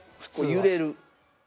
揺れる。